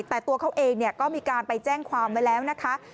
แต่ตัวเขาเองก็มีการไปแจ้งความไว้แล้วนะคะ